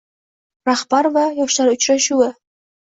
Rahbar va yoshlar uchrashuving